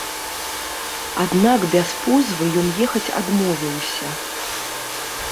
Аднак без позвы ён ехаць адмовіўся.